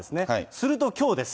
するときょうです。